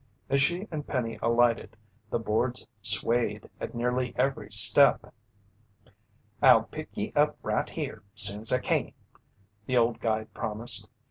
As she and Penny alighted, the boards swayed at nearly every step. "I'll pick ye up right here, soon's I can," the old guide promised.